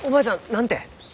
何て？